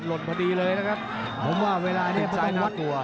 สสอนหน้านี้นี่อรัวมัติขู่ลุ่นน้องมุมแดงที่เห็นแล้วครับส